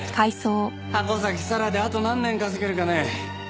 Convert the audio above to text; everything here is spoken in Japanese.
箱崎咲良であと何年稼げるかね？